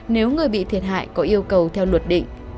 nếu người bị thiệt hại có yêu cầu theo luật định